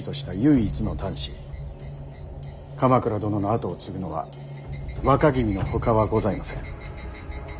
鎌倉殿の跡を継ぐのは若君のほかはございません。